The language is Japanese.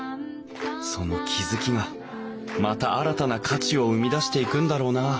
その気付きがまた新たな価値を生み出していくんだろうなあ